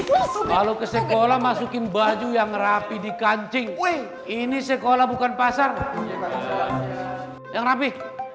kalau ke sekolah masukin baju yang rapi di kancing wih ini sekolah bukan pasar yang rapi